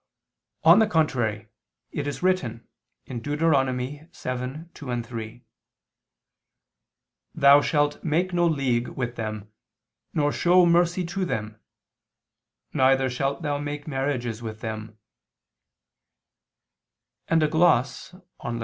On the contrary, It is written (Deut. 7:2, 3): "Thou shalt make no league with them, nor show mercy to them; neither shalt thou make marriages with them": and a gloss on Lev.